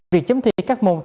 việc chấm thi các môn